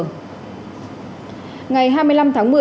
ngày hai mươi năm tháng một mươi